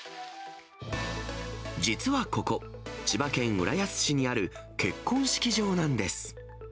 実はここ、千葉県浦安市にある結婚式場なんです。